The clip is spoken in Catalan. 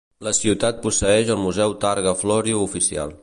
La ciutat posseeix el Museu Targa Florio oficial.